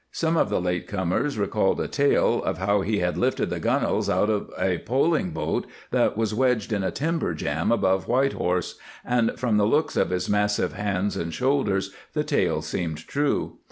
Some of the late comers recalled a tale of how he had lifted the gunwales out of a poling boat that was wedged in a timber jam above White Horse, and from the looks of his massive hands and shoulders the tale seemed true.